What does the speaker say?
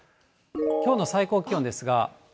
きょうの最高気温ですが。